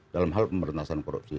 dalam hal pemberantasan korupsi